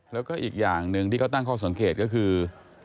แล้วก็อีกอย่างหนึ่งที่เขาตั้งข้อสังเกตก็คือ